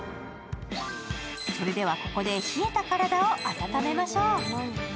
それでは、ここで冷えた体を温めましょう。